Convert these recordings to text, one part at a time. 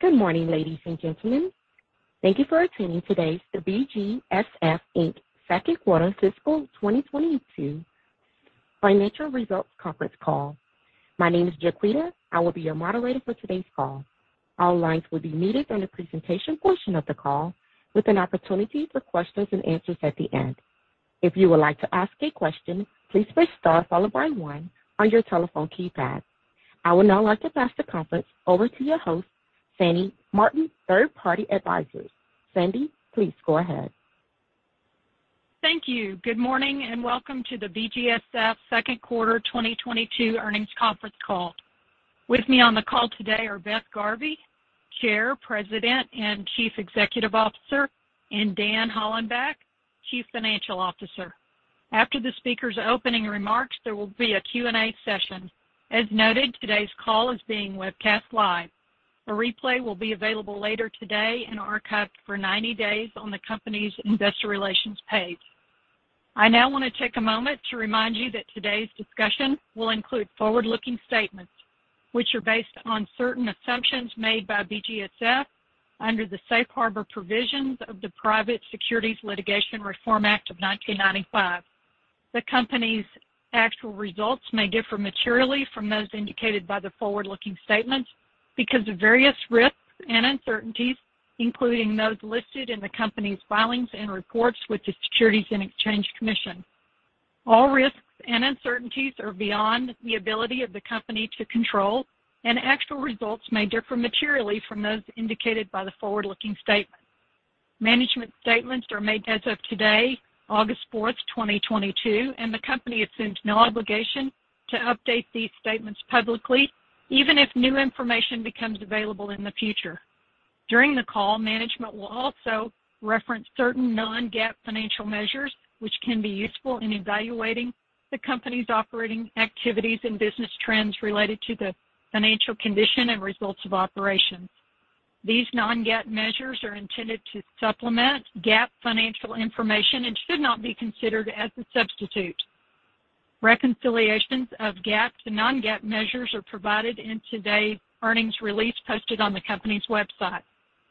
Good morning, ladies and gentlemen. Thank you for attending today's BGSF Inc. Q2 fiscal 2022 financial results conference call. My name is Jaquita. I will be your moderator for today's call. All lines will be muted during the presentation portion of the call with an opportunity for questions and answers at the end. If you would like to ask a question, please press star followed by one on your telephone keypad. I would now like to pass the conference over to your host, Sandy Martin, Three Part Advisors. Sandy, please go ahead. Thank you. Good morning and welcome to the BGSF Q2 2022 earnings conference call. With me on the call today are Beth Garvey, Chair, President, and Chief Executive Officer, and Dan Hollenbach, Chief Financial Officer. After the speaker's opening remarks, there will be a Q&A session. As noted, today's call is being webcast live. A replay will be available later today and archived for 90 days on the company's investor relations page. I now wanna take a moment to remind you that today's discussion will include forward-looking statements which are based on certain assumptions made by BGSF under the safe harbor provisions of the Private Securities Litigation Reform Act of 1995. The company's actual results may differ materially from those indicated by the forward-looking statements because of various risks and uncertainties, including those listed in the company's filings and reports with the Securities and Exchange Commission. All risks and uncertainties are beyond the ability of the company to control, and actual results may differ materially from those indicated by the forward-looking statements. Management statements are made as of today, August 4, 2022, and the company assumes no obligation to update these statements publicly even if new information becomes available in the future. During the call, management will also reference certain non-GAAP financial measures which can be useful in evaluating the company's operating activities and business trends related to the financial condition and results of operations. These non-GAAP measures are intended to supplement GAAP financial information and should not be considered as a substitute. Reconciliations of GAAP to non-GAAP measures are provided in today's earnings release posted on the company's website.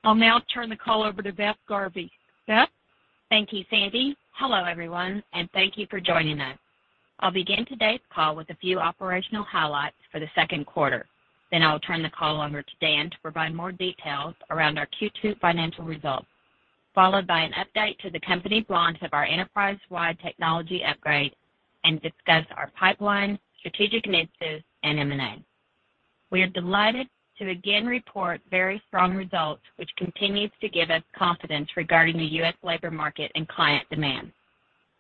I'll now turn the call over to Beth Garvey. Beth? Thank you, Sandy. Hello, everyone, and thank you for joining us. I'll begin today's call with a few operational highlights for the Q2. Then I'll turn the call over to Dan to provide more details around our Q2 financial results, followed by an update to the company launch of our enterprise-wide technology upgrade and discuss our pipeline, strategic initiatives, and M&A. We are delighted to again report very strong results, which continues to give us confidence regarding the U.S. labor market and client demand.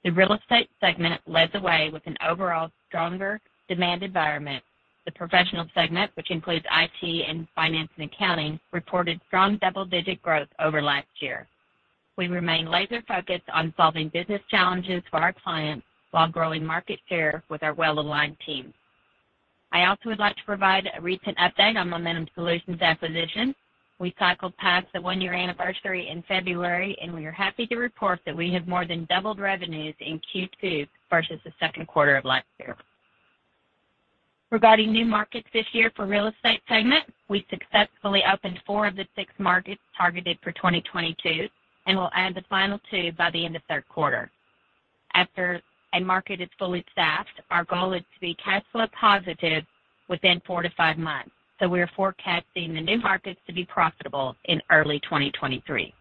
The Real Estate segment leads the way with an overall stronger demand environment. The Professional segment, which includes IT and finance and accounting, reported strong double-digit growth over last year. We remain laser-focused on solving business challenges for our clients while growing market share with our well-aligned team. I also would like to provide a recent update on Momentum Solutionz acquisition. We cycled past the one-year anniversary in February, and we are happy to report that we have more than doubled revenues in Q2 versus the Q2 of last year. Regarding new markets this year for Real Estate segment, we successfully opened four of the six markets targeted for 2022 and will add the final two by the end of Q3. After a market is fully staffed, our goal is to be cash flow positive within four to five months, so we are forecasting the new markets to be profitable in early 2023.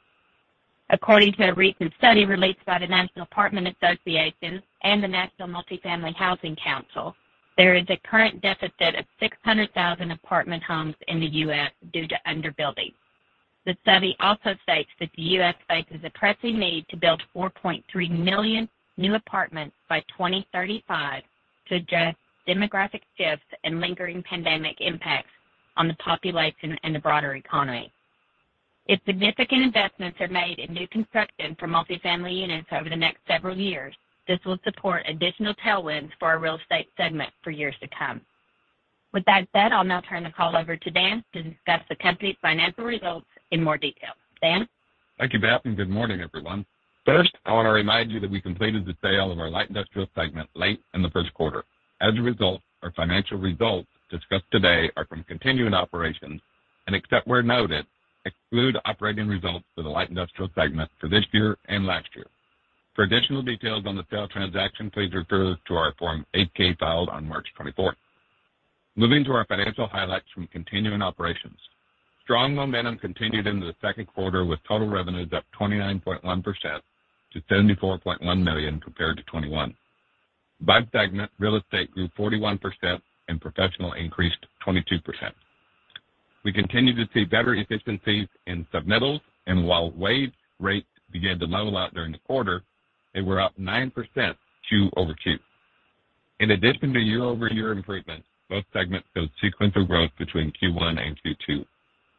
According to a recent study released by the National Apartment Association and the National Multifamily Housing Council, there is a current deficit of 600,000 apartment homes in the U.S. due to underbuilding. The study also states that the U.S. faces a pressing need to build 4.3 million new apartments by 2035 to address demographic shifts and lingering pandemic impacts on the population and the broader economy. If significant investments are made in new construction for multifamily units over the next several years, this will support additional tailwinds for our Real Estate segment for years to come. With that said, I'll now turn the call over to Dan to discuss the company's financial results in more detail. Dan? Thank you, Beth, and good morning, everyone. First, I wanna remind you that we completed the sale of our light industrial segment late in the Q1. As a result, our financial results discussed today are from continuing operations, and except where noted, exclude operating results for the light industrial segment for this year and last year. For additional details on the sale transaction, please refer to our Form 8-K filed on March 24. Moving to our financial highlights from continuing operations. Strong momentum continued into the Q2 with total revenues up 29.1% to $74.1 million compared to 2021. By segment, Real Estate grew 41% and Professional increased 22%. We continue to see better efficiencies in submittals, and while wage rates began to level out during the quarter, they were up 9% Q over Q. In addition to year-over-year improvements, both segments showed sequential growth between Q1 and Q2.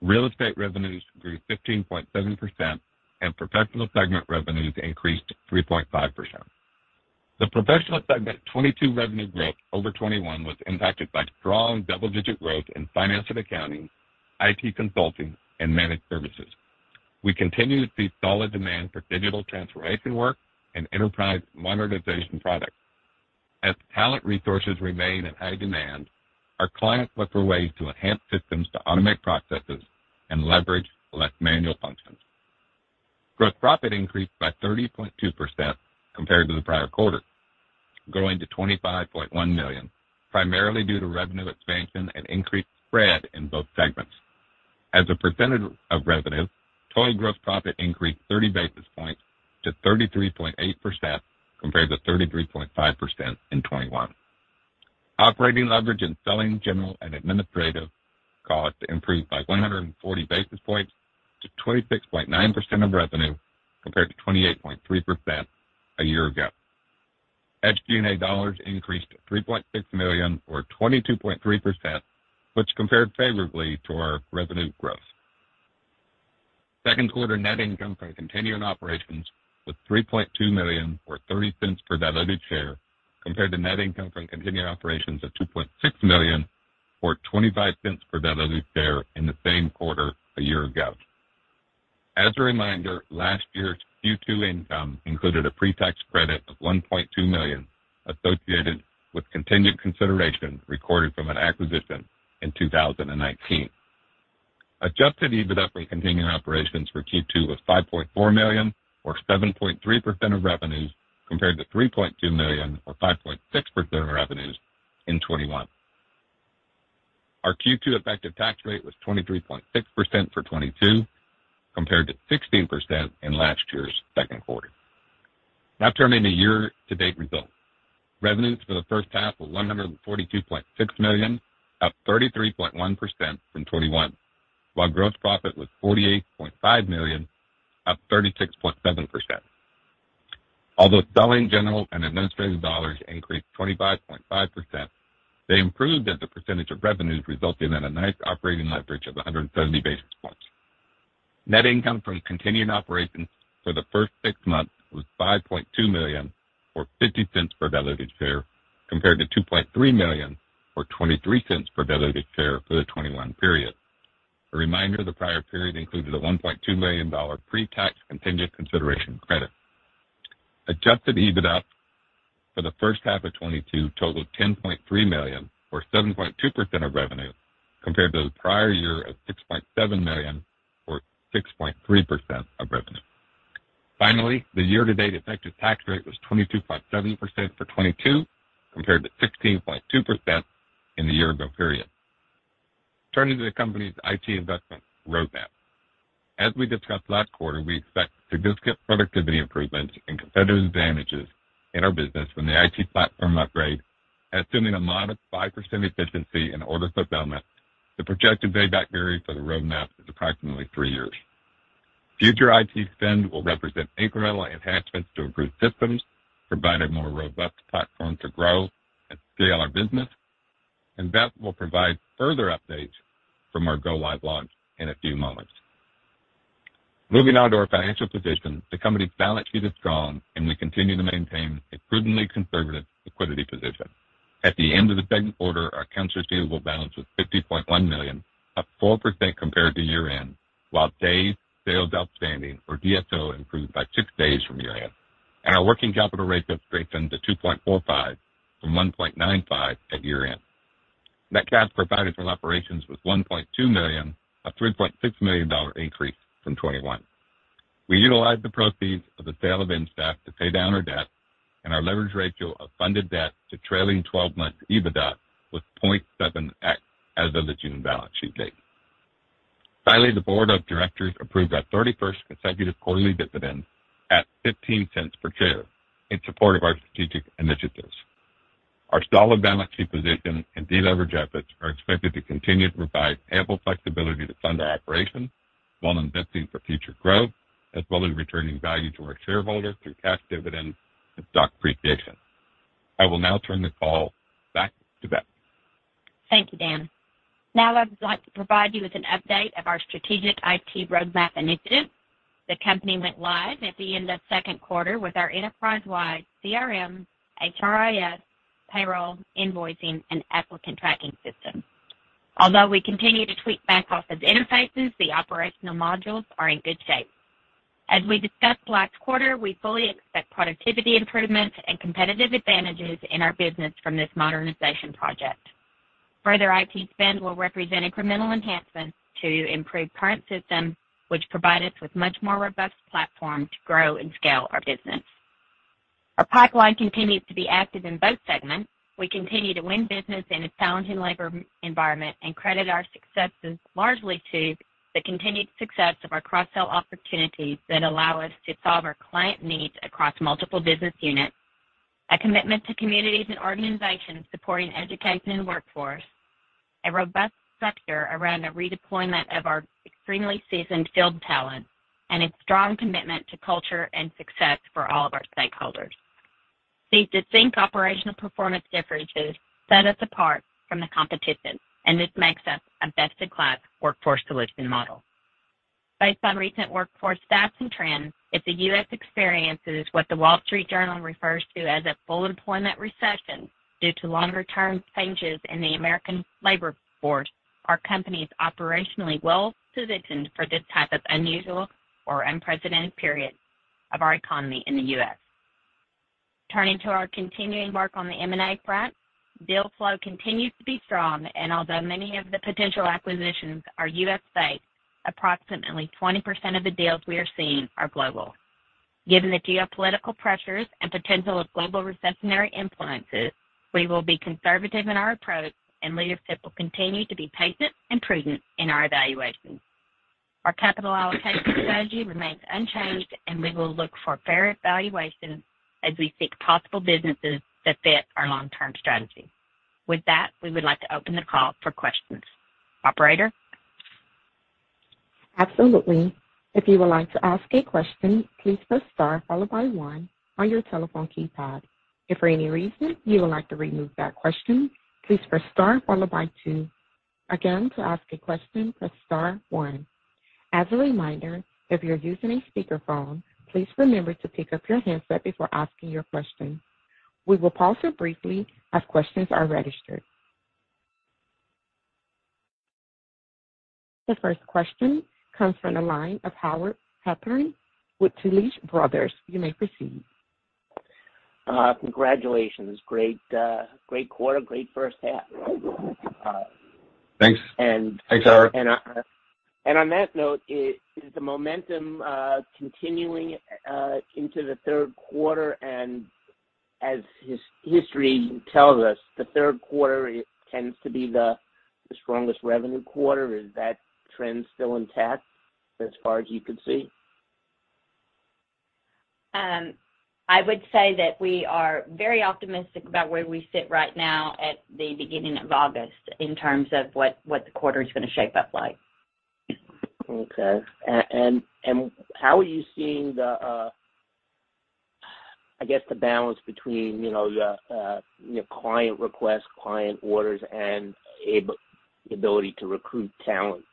Real Estate revenues grew 15.7%, and Professional segment revenues increased 3.5%. The Professional segment 2022 revenue growth over 2021 was impacted by strong double-digit growth in finance and accounting, IT consulting, and managed services. We continue to see solid demand for digital transformation work and enterprise modernization projects. As talent resources remain in high demand, our clients look for ways to enhance systems to automate processes and leverage less manual functions. Gross profit increased by 30.2% compared to the prior quarter, growing to $25.1 million, primarily due to revenue expansion and increased spread in both segments. As a percentage of revenue, total gross profit increased 30 basis points to 33.8% compared to 33.5% in 2021. Operating leverage in selling, general, and administrative costs improved by 140 basis points to 26.9% of revenue, compared to 28.3% a year ago. SG&A dollars increased to $3.6 million, or 22.3%, which compared favorably to our revenue growth. Q2 net income from continuing operations was $3.2 million, or $0.30 per diluted share, compared to net income from continuing operations of $2.6 million, or $0.25 per diluted share in the same quarter a year ago. As a reminder, last year's Q2 income included a pre-tax credit of $1.2 million associated with contingent consideration recorded from an acquisition in 2019. Adjusted EBITDA from continuing operations for Q2 was $5.4 million, or 7.3% of revenues, compared to $3.2 million or 5.6% of revenues in 2021. Our Q2 effective tax rate was 23.6% for 2022, compared to 16% in last year's Q2. Now turning to year-to-date results. Revenues for the H1 were $142.6 million, up 33.1% from 2021, while gross profit was $48.5 million, up 36.7%. Although selling, general, and administrative dollars increased 25.5%, they improved as a percentage of revenues, resulting in a nice operating leverage of 170 basis points. Net income from continuing operations for the first six months was $5.2 million, or $0.50 per diluted share, compared to $2.3 million, or $0.23 per diluted share for the 2021 period. A reminder, the prior period included a $1.2 million pre-tax contingent consideration credit. Adjusted EBITDA for the H1 of 2022 totaled $10.3 million, or 7.2% of revenue, compared to the prior year of $6.7 million, or 6.3% of revenue. Finally, the year-to-date effective tax rate was 22.7% for 2022, compared to 16.2% in the year ago period. Turning to the company's IT investment roadmap. As we discussed last quarter, we expect significant productivity improvements and competitive advantages in our business when the IT platform upgrades. Assuming a modest 5% efficiency in order fulfillment, the projected payback period for the roadmap is approximately three years. Future IT spend will represent incremental enhancements to improve systems, provide a more robust platform to grow and scale our business, and Beth will provide further updates from our go live launch in a few moments. Moving on to our financial position. The company's balance sheet is strong, and we continue to maintain a prudently conservative liquidity position. At the end of the Q2, our accounts receivable balance was $50.1 million, up 4% compared to year-end, while days sales outstanding, or DSO, improved by 6 days from year-end, and our working capital ratio strengthened to 2.45 from 1.95 at year-end. Net cash provided from operations was $1.2 million, a $3.6 million increase from 2021. We utilized the proceeds of the sale of InStaff to pay down our debt, and our leverage ratio of funded debt to trailing twelve-month EBITDA was 0.7x as of the June balance sheet date. Finally, the board of directors approved our thirty-first consecutive quarterly dividend at $0.15 per share in support of our strategic initiatives. Our solid balance sheet position and deleverage efforts are expected to continue to provide ample flexibility to fund our operations while investing for future growth, as well as returning value to our shareholders through cash dividends and stock appreciation. I will now turn the call back to Beth. Thank you, Dan. Now I'd like to provide you with an update of our strategic IT roadmap initiative. The company went live at the end of Q2 with our enterprise-wide CRM, HRIS, payroll, invoicing, and applicant tracking system. Although we continue to tweak back-office interfaces, the operational modules are in good shape. As we discussed last quarter, we fully expect productivity improvements and competitive advantages in our business from this modernization project. Further IT spend will represent incremental enhancements to improve current systems, which provide us with much more robust platform to grow and scale our business. Our pipeline continues to be active in both segments. We continue to win business in a challenging labor environment and credit our successes largely to the continued success of our cross-sell opportunities that allow us to solve our client needs across multiple business units, a commitment to communities and organizations supporting education and workforce, a robust structure around the redeployment of our extremely seasoned field talent, and a strong commitment to culture and success for all of our stakeholders. These distinct operational performance differentiators set us apart from the competition, and this makes us a best-in-class workforce solution model. Based on recent workforce stats and trends, if the U.S. experiences what The Wall Street Journal refers to as a full employment recession due to longer-term changes in the American labor force Our company is operationally well-positioned for this type of unusual or unprecedented period of our economy in the U.S. Turning to our continuing work on the M&A front, deal flow continues to be strong and although many of the potential acquisitions are U.S.-based, approximately 20% of the deals we are seeing are global. Given the geopolitical pressures and potential of global recessionary influences, we will be conservative in our approach and leadership will continue to be patient and prudent in our evaluations. Our capital allocation strategy remains unchanged and we will look for fair valuations as we seek possible businesses that fit our long-term strategy. With that, we would like to open the call for questions. Operator? Absolutely. If you would like to ask a question, please press star followed by one on your telephone keypad. If for any reason you would like to remove that question, please press star followed by two. Again, to ask a question, press star one. As a reminder, if you're using a speakerphone, please remember to pick up your handset before asking your question. We will pause here briefly as questions are registered. The first question comes from the line of Howard Halpern with Taglich Brothers. You may proceed. Congratulations. Great quarter. Great H1. Thanks. And- Thanks, Howard. Is the momentum continuing into the Q3? As history tells us, the Q3 tends to be the strongest revenue quarter. Is that trend still intact as far as you can see? I would say that we are very optimistic about where we sit right now at the beginning of August in terms of what the quarter is going to shape up like. Okay. How are you seeing the balance between, you know, your client requests, client orders and the ability to recruit talent?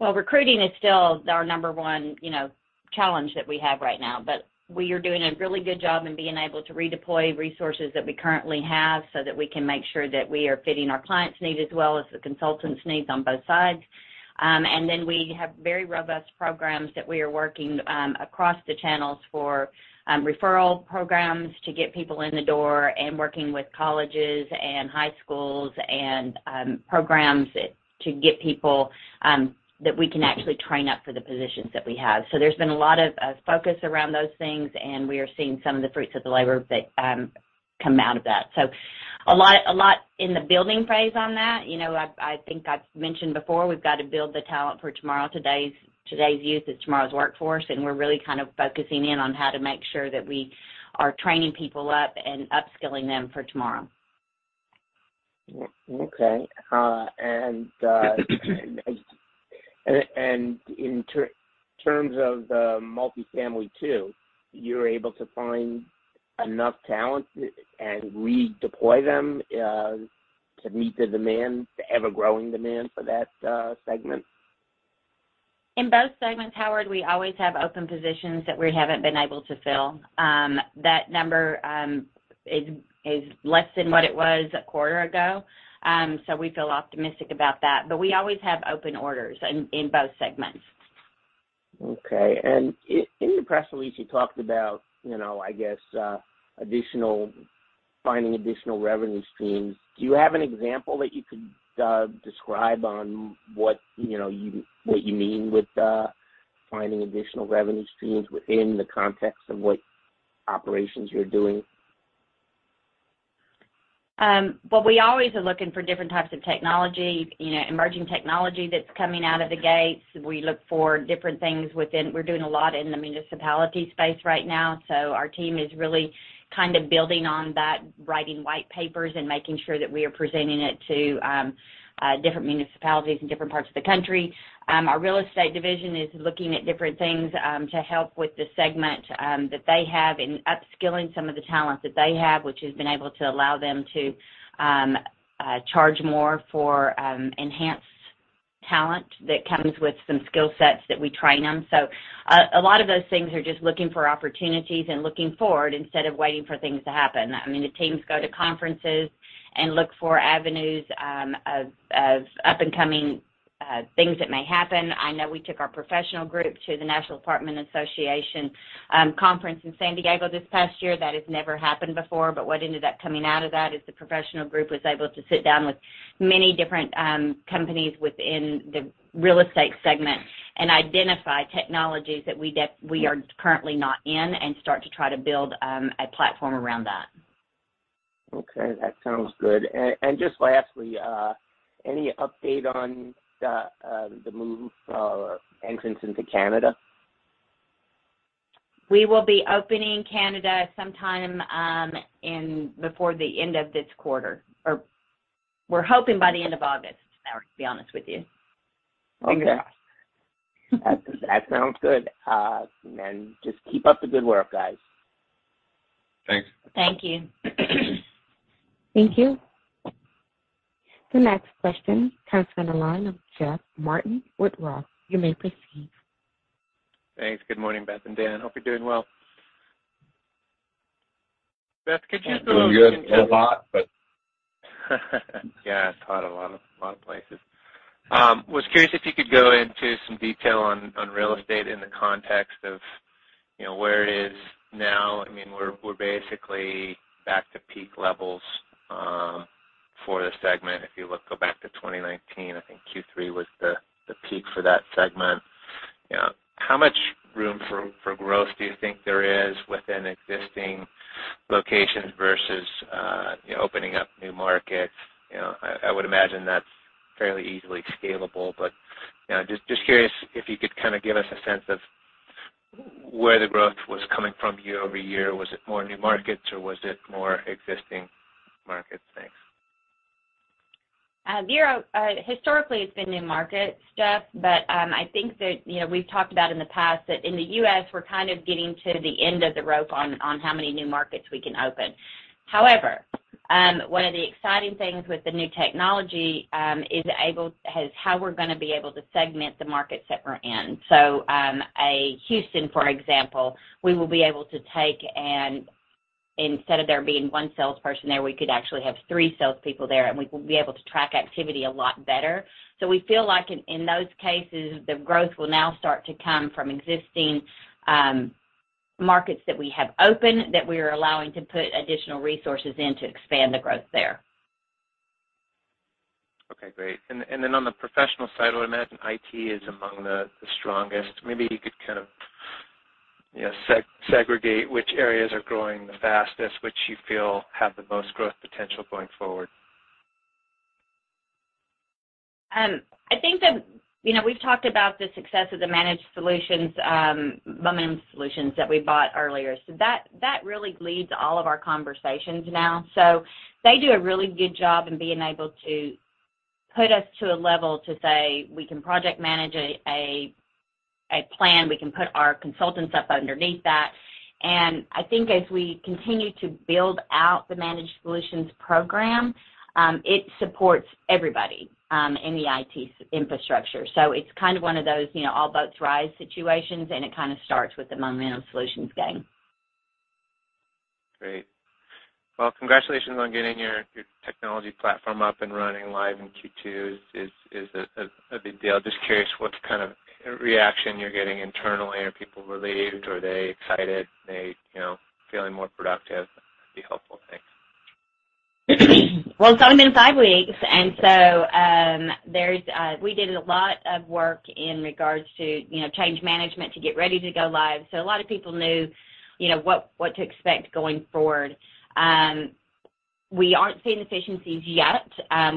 Well, recruiting is still our number one, you know, challenge that we have right now. We are doing a really good job in being able to redeploy resources that we currently have so that we can make sure that we are fitting our clients' needs as well as the consultants' needs on both sides. We have very robust programs that we are working across the channels for, referral programs to get people in the door and working with colleges and high schools and programs to get people that we can actually train up for the positions that we have. There's been a lot of focus around those things, and we are seeing some of the fruits of the labor that come out of that. A lot in the building phase on that. You know, I think I've mentioned before, we've got to build the talent for tomorrow. Today's youth is tomorrow's workforce, and we're really kind of focusing in on how to make sure that we are training people up and upskilling them for tomorrow. Okay. In terms of the multifamily too, you're able to find enough talent and redeploy them to meet the demand, the ever-growing demand for that segment? In both segments, Howard, we always have open positions that we haven't been able to fill. That number is less than what it was a quarter ago. We feel optimistic about that. We always have open orders in both segments. Okay. In the press release you talked about, you know, I guess, finding additional revenue streams. Do you have an example that you could elaborate on what you mean with finding additional revenue streams within the context of what operations you're doing? Well, we always are looking for different types of technology, you know, emerging technology that's coming out of the gates. We look for different things within. We're doing a lot in the municipality space right now, so our team is really kind of building on that, writing white papers and making sure that we are presenting it to different municipalities in different parts of the country. Our real estate division is looking at different things to help with the segment that they have in upskilling some of the talent that they have, which has been able to allow them to charge more for enhanced talent that comes with some skill sets that we train them. A lot of those things are just looking for opportunities and looking forward instead of waiting for things to happen. I mean, the teams go to conferences and look for avenues of up-and-coming things that may happen. I know we took our professional group to the National Apartment Association conference in San Diego this past year. That has never happened before, but what ended up coming out of that is the professional group was able to sit down with many different companies within the real estate segment and identify technologies that we are currently not in and start to try to build a platform around that. Okay, that sounds good. Just lastly, any update on the move or entrance into Canada? We will be opening Canada sometime before the end of this quarter, or we're hoping by the end of August, Howard, to be honest with you. Okay. Fingers crossed. That sounds good. Just keep up the good work, guys. Thanks. Thank you. The next question comes from the line of Jeff Martin with Roth. You may proceed. Thanks. Good morning, Beth and Dan. Hope you're doing well. Beth, could you go? We have a lot, but Yeah, I thought a lot of places. Was curious if you could go into some detail on real estate in the context of, you know, where it is now. I mean, we're basically back to peak levels for the segment. If you look—go back to 2019, I think Q3 was the peak for that segment. You know, how much room for growth do you think there is within existing locations versus, you know, opening up new markets? You know, I would imagine that's fairly easily scalable. But, you know, just curious if you could kinda give us a sense of where the growth was coming from year-over-year. Was it more new markets, or was it more existing markets? Thanks. 0. Historically, it's been new markets, Jeff, but I think that, you know, we've talked about in the past that in the U.S. we're kind of getting to the end of the rope on how many new markets we can open. However, one of the exciting things with the new technology is how we're gonna be able to segment the markets that we're in. So, in Houston, for example, we will be able to take and instead of there being 1 salesperson there, we could actually have 3 salespeople there, and we will be able to track activity a lot better. So we feel like in those cases, the growth will now start to come from existing markets that we have open, that we are allowing to put additional resources in to expand the growth there. Okay, great. On the professional side, I would imagine IT is among the strongest. Maybe you could kind of, you know, segregate which areas are growing the fastest, which you feel have the most growth potential going forward. I think that, you know, we've talked about the success of the managed solutions, Momentum Solutionz that we bought earlier. That really leads all of our conversations now. They do a really good job in being able to put us to a level to say, we can project manage a plan. We can put our consultants up underneath that. I think as we continue to build out the managed solutions program, it supports everybody in the IT infrastructure. It's kind of one of those, you know, all boats rise situations, and it kinda starts with the Momentum Solutionz gang. Great. Well, congratulations on getting your technology platform up and running live in Q2. It's a big deal. Just curious what kind of reaction you're getting internally. Are people relieved? Are they excited? Are they, you know, feeling more productive? That'd be helpful. Thanks. Well, it's only been 5 weeks, there's. We did a lot of work in regards to, you know, change management to get ready to go live. A lot of people knew, you know, what to expect going forward. We aren't seeing efficiencies yet.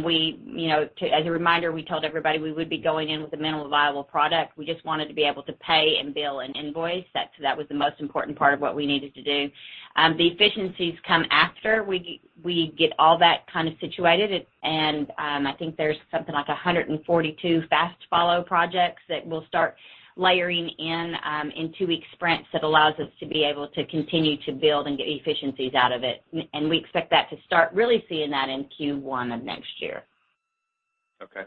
We, you know, as a reminder, we told everybody we would be going in with a minimum viable product. We just wanted to be able to pay and bill an invoice. That was the most important part of what we needed to do. The efficiencies come after we get all that kind of situated. I think there's something like 142 fast follow projects that we'll start layering in two-week sprints that allows us to be able to continue to build and get efficiencies out of it. We expect that to start really seeing that in Q1 of next year. Okay.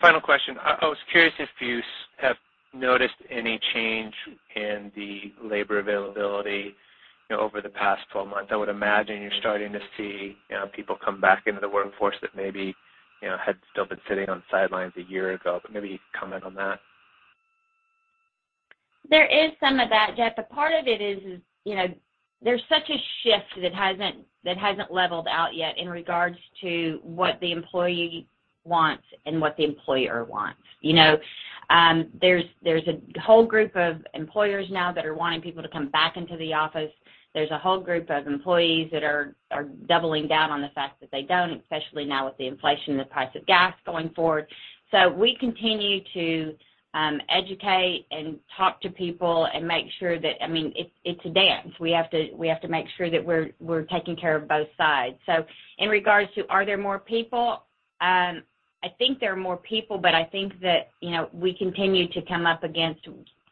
Final question. I was curious if you have noticed any change in the labor availability, you know, over the past 12 months. I would imagine you're starting to see, you know, people come back into the workforce that maybe, you know, had still been sitting on sidelines a year ago. Maybe you could comment on that. There is some of that, Jeff, but part of it is, you know, there's such a shift that hasn't leveled out yet in regards to what the employee wants and what the employer wants. You know, there's a whole group of employers now that are wanting people to come back into the office. There's a whole group of employees that are doubling down on the fact that they don't, especially now with the inflation and the price of gas going forward. So we continue to educate and talk to people and make sure that. I mean, it's a dance. We have to make sure that we're taking care of both sides. In regards to are there more people, I think there are more people, but I think that, you know, we continue to come up against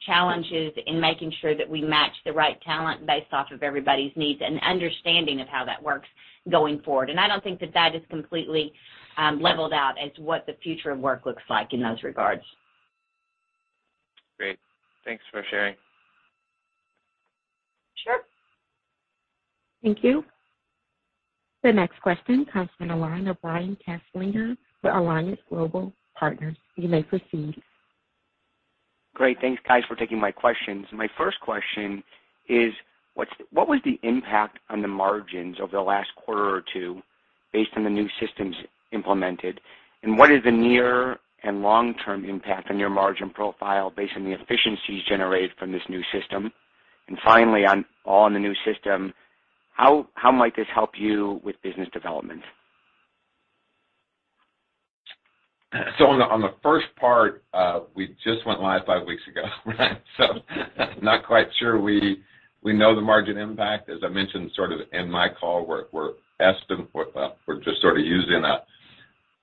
challenges in making sure that we match the right talent based off of everybody's needs and understanding of how that works going forward. I don't think that is completely leveled out as what the future of work looks like in those regards. Great. Thanks for sharing. Sure. Thank you. The next question comes from the line of Brian Kinstlinger with Alliance Global Partners. You may proceed. Great. Thanks, guys, for taking my questions. My first question is, what was the impact on the margins over the last quarter or two based on the new systems implemented? What is the near and long-term impact on your margin profile based on the efficiencies generated from this new system? Finally, on the new system, how might this help you with business development? On the first part, we just went live five weeks ago, right? Not quite sure we know the margin impact. As I mentioned sort of in my call, we're just sort of using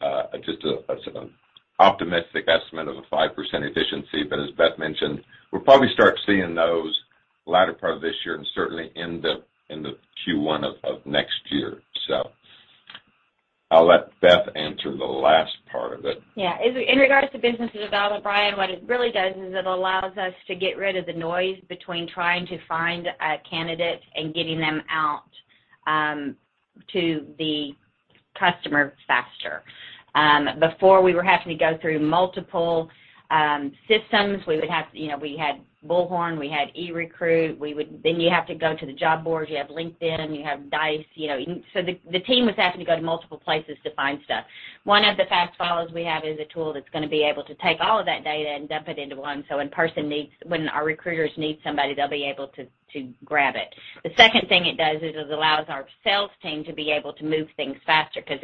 a sort of optimistic estimate of a 5% efficiency. But as Beth mentioned, we'll probably start seeing those later part of this year and certainly in the Q1 of next year. I'll let Beth answer the last part of it. Yeah. In regards to business development, Brian, what it really does is it allows us to get rid of the noise between trying to find a candidate and getting them out to the customer faster. Before we were having to go through multiple systems, you know, we had Bullhorn, we had eRecruit, then you have to go to the job boards. You have LinkedIn, you have Dice, you know. The team was having to go to multiple places to find stuff. One of the fast follows we have is a tool that's gonna be able to take all of that data and dump it into one. When our recruiters need somebody, they'll be able to grab it. The second thing it does is it allows our sales team to be able to move things faster. Because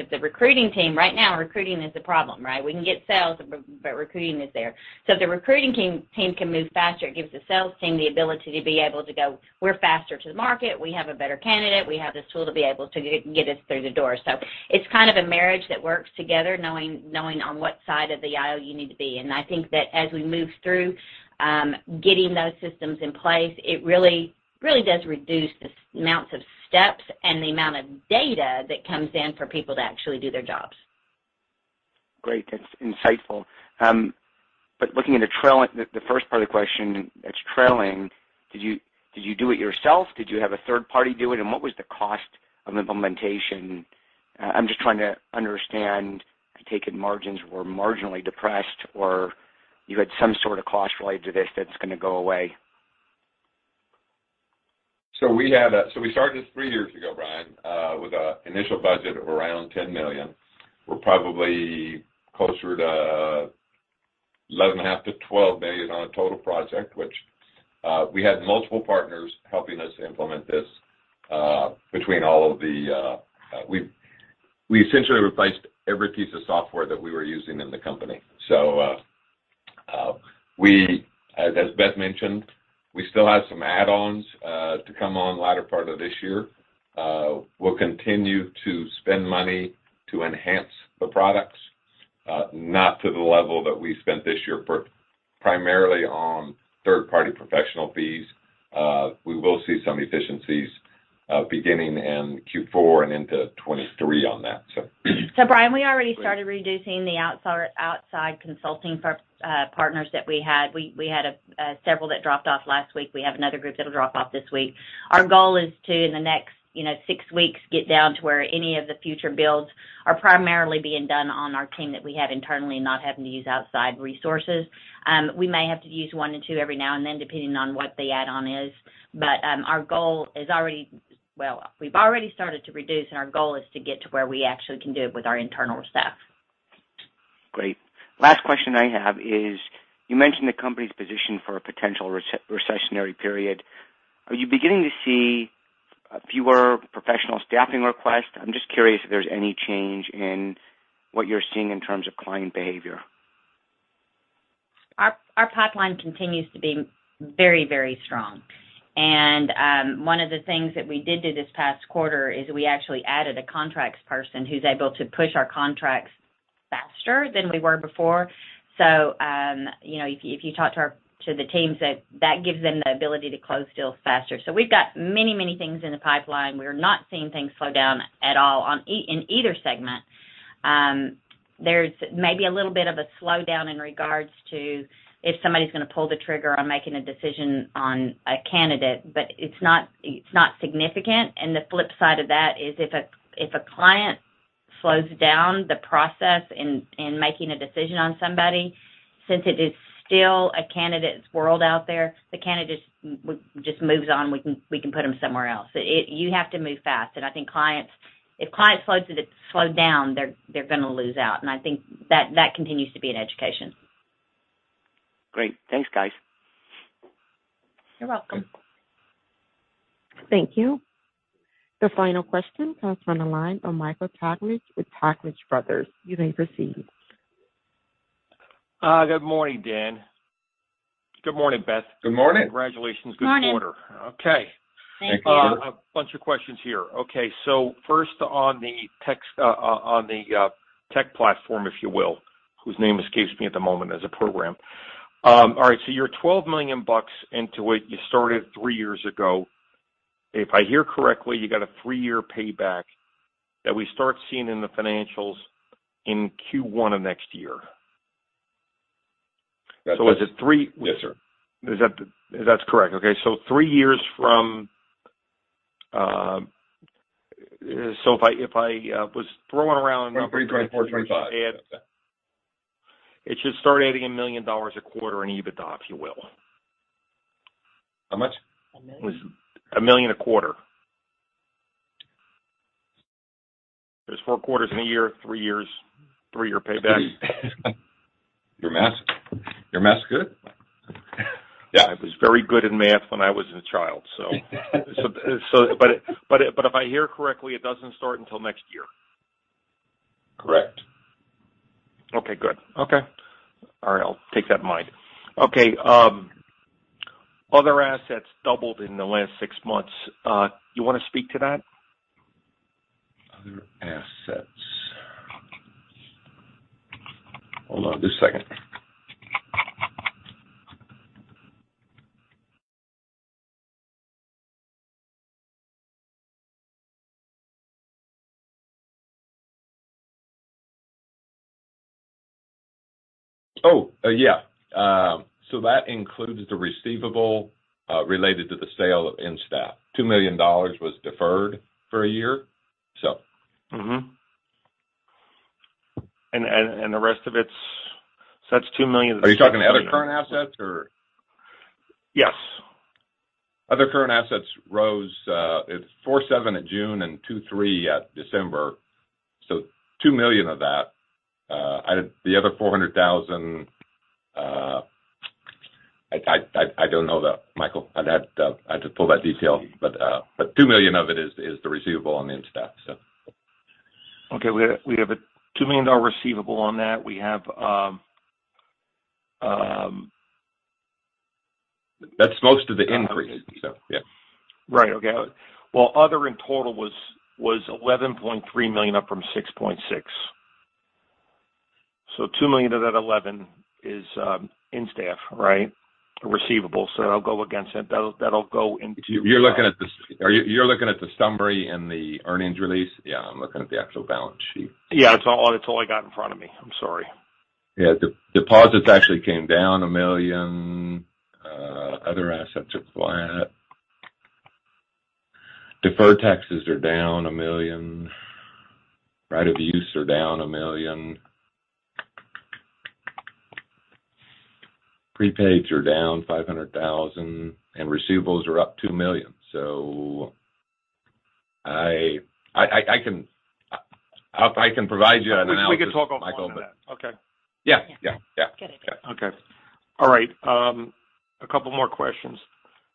right now, recruiting is a problem, right? We can get sales, but recruiting is there. If the recruiting team can move faster, it gives the sales team the ability to be able to go, "We're faster to the market. We have a better candidate. We have this tool to be able to get us through the door." It's kind of a marriage that works together knowing on what side of the aisle you need to be. I think that as we move through getting those systems in place, it really does reduce the amounts of steps and the amount of data that comes in for people to actually do their jobs. Great. That's insightful. Looking at the trailing, the first part of the question that's trailing, did you do it yourself? Did you have a third party do it? What was the cost of implementation? I'm just trying to understand. I take it margins were marginally depressed, or you had some sort of cost related to this that's gonna go away. We started this three years ago, Brian, with an initial budget of around $10 million. We're probably closer to $11.5 million-$12 million on a total project, which we had multiple partners helping us implement this between all of the. We essentially replaced every piece of software that we were using in the company. As Beth mentioned, we still have some add-ons to come on later part of this year. We'll continue to spend money to enhance the products, not to the level that we spent this year for primarily on third-party professional fees. We will see some efficiencies beginning in Q4 and into 2023 on that. Brian, we already started reducing the outside consulting for partners that we had. We had several that dropped off last week. We have another group that will drop off this week. Our goal is to, in the next, you know, six weeks, get down to where any of the future builds are primarily being done on our team that we have internally and not having to use outside resources. We may have to use one or two every now and then, depending on what the add-on is. Our goal is already. Well, we've already started to reduce, and our goal is to get to where we actually can do it with our internal staff. Great. Last question I have is, you mentioned the company's position for a potential recessionary period. Are you beginning to see fewer professional staffing requests? I'm just curious if there's any change in what you're seeing in terms of client behavior. Our pipeline continues to be very strong. One of the things that we did do this past quarter is we actually added a contracts person who's able to push our contracts faster than we were before. You know, if you talk to the teams, that gives them the ability to close deals faster. We've got many things in the pipeline. We're not seeing things slow down at all in either segment. There's maybe a little bit of a slowdown in regards to if somebody's gonna pull the trigger on making a decision on a candidate, but it's not significant. The flip side of that is if a client slows down the process in making a decision on somebody, since it is still a candidate's world out there, the candidate just moves on. We can put him somewhere else. You have to move fast. I think if clients slow down, they're gonna lose out. I think that continues to be an education. Great. Thanks, guys. You're welcome. Thank you. The final question comes from the line of Michael Taglich with Taglich Brothers. You may proceed. Good morning, Dan. Good morning, Beth. Good morning. Congratulations. Morning. Good quarter. Okay. Thank you. A bunch of questions here. Okay. First on the tech platform, if you will, whose name escapes me at the moment as a program. All right, you're $12 million into it. You started three years ago. If I hear correctly, you got a three-year payback that we start seeing in the financials in Q1 of next year. That's it. Is it three- Yes, sir. That's correct, okay. Three years from. If I was throwing around numbers. 2023, 2024, 2025. Yeah. It should start adding $1 million a quarter in EBITDA, if you will. How much? $1 million. $1 million a quarter. There's four quarters in a year, three years, three-year payback. Your math's good. Yeah, I was very good in math when I was a child, so. If I hear correctly, it doesn't start until next year. Correct. Okay, good. Okay. All right, I'll take that in mind. Okay, other assets doubled in the last six months. You wanna speak to that? Other assets. Hold on just a second. Oh, yeah. That includes the receivable related to the sale of InStaff. $2 million was deferred for a year. That's $2 million. Are you talking other current assets or? Yes. Other current assets rose. It's $47 at June and $23 at December. $2 million of that. The other $400,000, I don't know that, Michael. I'd have to pull that detail. $2 million of it is the receivable on InStaff. We have a $2 million receivable on that. That's most of the increase, so yeah. Right. Okay. Well, other and total was $11.3 million, up from $6.6 million. Two million of that 11 is InStaff, right, receivables. That'll go against it. That'll go into- You're looking at the summary in the earnings release. Yeah, I'm looking at the actual balance sheet. Yeah. It's all I got in front of me. I'm sorry. Deposits actually came down $1 million. Other assets are flat. Deferred taxes are down $1 million. Right-of-use are down $1 million. Prepaids are down $500,000, and receivables are up $2 million. I can provide you an analysis, Michael, but- We can talk offline on that. Okay. Yeah, yeah. Get it. Okay. All right. A couple more questions.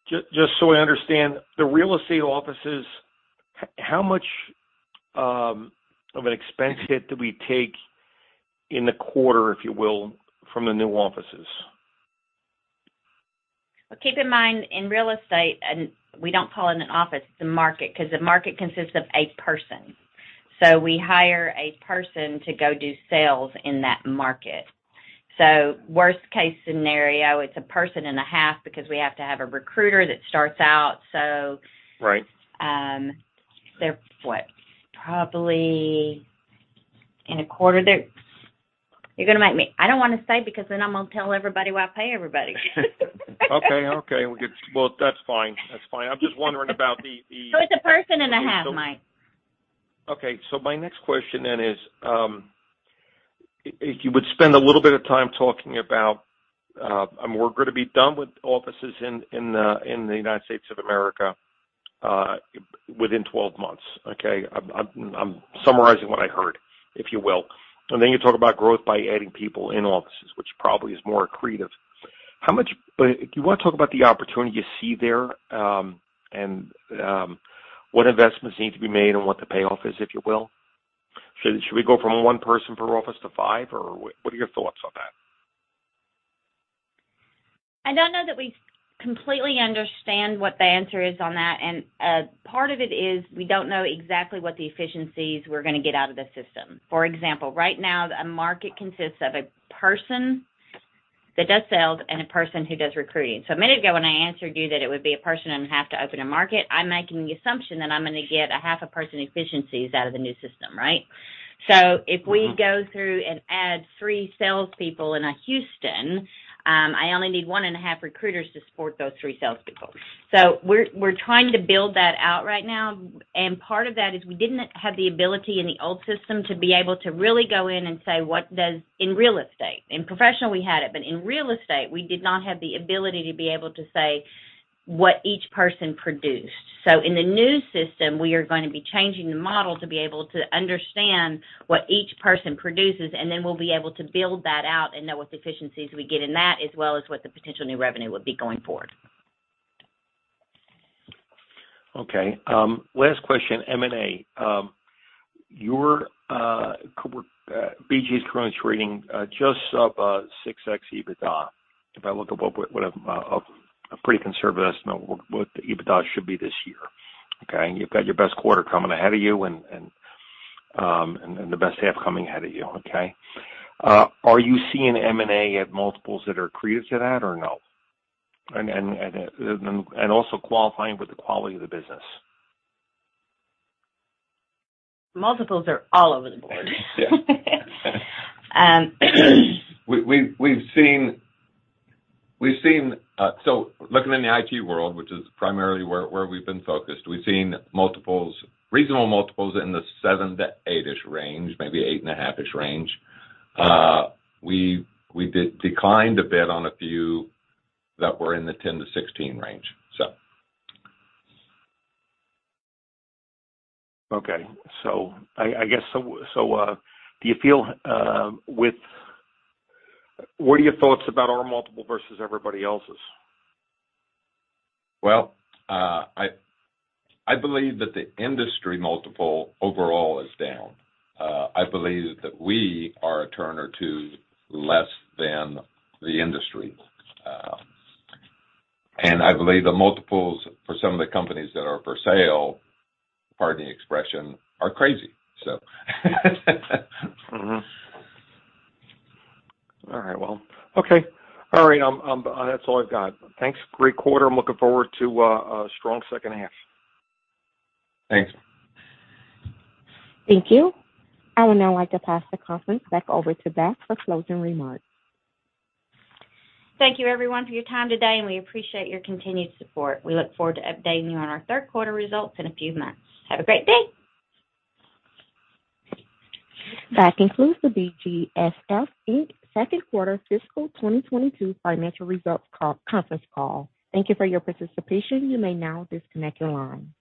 Just so I understand, the real estate offices, how much of an expense hit do we take in the quarter, if you will, from the new offices? Well, keep in mind, in real estate, and we don't call it an office, it's a market, 'cause the market consists of a person. We hire a person to go do sales in that market. Worst case scenario, it's a person and a half because we have to have a recruiter that starts out, so. Right. They're what? You're gonna make me. I don't wanna say because then I'm gonna tell everybody what I pay everybody. Okay, okay. Well, that's fine. That's fine. I'm just wondering about the It's a person and a half, Mike. Okay. My next question then is, if you would spend a little bit of time talking about, and we're gonna be done with offices in the United States of America within 12 months, okay? I'm summarizing what I heard, if you will. You talk about growth by adding people in offices, which probably is more accretive. Do you wanna talk about the opportunity you see there, and what investments need to be made and what the payoff is, if you will? Should we go from one person per office to five or what are your thoughts on that? I don't know that we completely understand what the answer is on that. Part of it is we don't know exactly what the efficiencies we're gonna get out of the system. For example, right now a market consists of a person that does sales and a person who does recruiting. A minute ago when I answered you that it would be a person and a half to open a market, I'm making the assumption that I'm gonna get a half a person efficiencies out of the new system, right? If we go through and add three salespeople in Houston, I only need one and a half recruiters to support those three salespeople. We're trying to build that out right now. Part of that is we didn't have the ability in the old system to be able to really go in and say in real estate. In professional, we had it, but in real estate we did not have the ability to be able to say what each person produced. In the new system, we are gonna be changing the model to be able to understand what each person produces, and then we'll be able to build that out and know what the efficiencies we get in that, as well as what the potential new revenue would be going forward. Okay. Last question. M&A. Your BGSF's currently trading just above 6x EBITDA, if I look at what a pretty conservative estimate what the EBITDA should be this year, okay? You've got your best quarter coming ahead of you and the best half coming ahead of you, okay? Are you seeing M&A at multiples that are accretive to that or no? And also qualifying with the quality of the business. Multiples are all over the board. Yeah. Um. We've seen, looking in the IT world, which is primarily where we've been focused, we've seen reasonable multiples in the seven-eight-ish range, maybe 8.5-ish range. We did decline a bit on a few that were in the 10-16 range. Okay. I guess, what are your thoughts about our multiple versus everybody else's? Well, I believe that the industry multiple overall is down. I believe that we are a turn or two less than the industry. I believe the multiples for some of the companies that are for sale, pardon the expression, are crazy, so. All right. Well, okay. All right. That's all I've got. Thanks. Great quarter. I'm looking forward to a strong H2. Thanks. Thank you. I would now like to pass the conference back over to Beth for closing remarks. Thank you everyone for your time today, and we appreciate your continued support. We look forward to updating you on our Q3 results in a few months. Have a great day. That concludes the BGSF Inc. Q2 fiscal 2022 financial results call, conference call. Thank you for your participation. You may now disconnect your line.